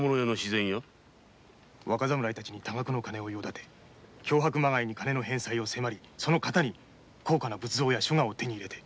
若侍たちに多額の金を用立て脅迫まがいに返済を迫りそのかたに仏像や書画を手に入れて。